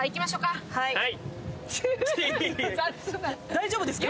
大丈夫ですか？